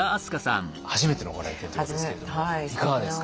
初めてのご来店ということですけれどもいかがですか？